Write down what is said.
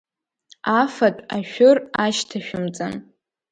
Афатә ашәыр ашьҭашәымҵан.